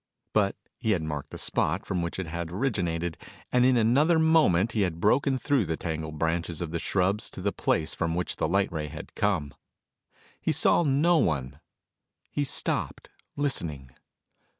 But he had marked the spot from which it had originated, and in another moment he had broken through the tangled branches of the shrubs to the place from which the light ray had come. He saw no one. He stopped, listening.